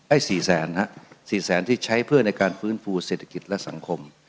๔แสนฮะ๔แสนที่ใช้เพื่อในการฟื้นฟูเศรษฐกิจและสังคม